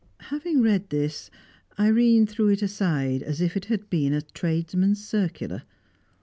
Having read this, Irene threw it aside as if it had been a tradesman's circular.